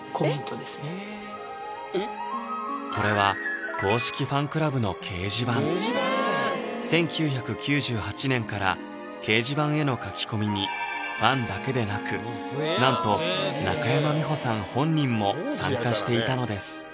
これは１９９８年から掲示板への書き込みにファンだけでなくなんと中山美穂さん本人も参加していたのです